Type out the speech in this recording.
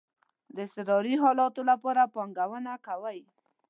د اضطراری حالاتو لپاره پانګونه کوئ؟